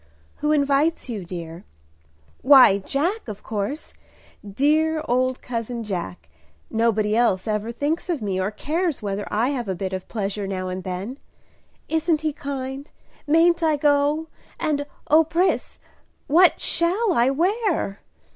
"Who invites you, dear?" "Why, Jack, of course, dear old cousin Jack. Nobody else ever thinks of me, or cares whether I have a bit of pleasure now and then. Isn't he kind? Mayn't I go? and, O Pris, what shall I wear?"